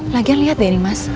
lagian lihat deh ini mas